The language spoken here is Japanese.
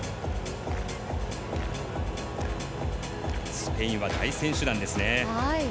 スペインは大選手団ですね。